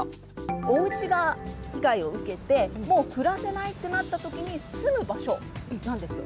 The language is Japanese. おうちが被害を受けてもう暮らせないってなった時に住む場所なんですよ。